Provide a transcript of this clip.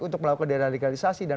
untuk melakukan diradikalisasi dan